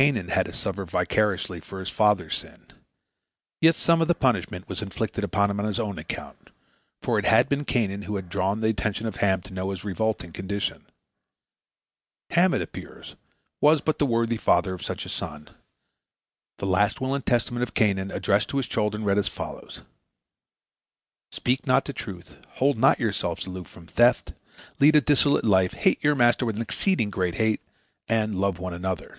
Canaan had to suffer vicariously for his father's sin. Yet some of the punishment was inflicted upon him on his own account, for it had been Canaan who had drawn the attention of Ham to Noah's revolting condition. Ham, it appears, was but the worthy father of such a son. The last will and testament of Canaan addressed to his children read as follows: "Speak not the truth; hold not yourselves aloof from theft; lead a dissolute life; hate your master with an exceeding great hate; and love one another."